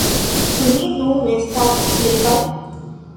Ĉu ni nun estas kvitaj?